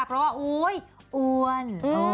เพราะว่าอุ๊ยอ้วน